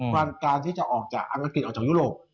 การที่จะออกจากอังกฤษออกจากยุโรป